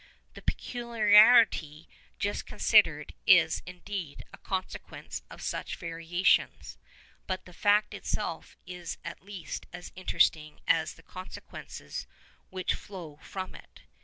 The peculiarity just considered is, indeed, a consequence of such variations; but the fact itself is at least as interesting as the consequences which flow from it.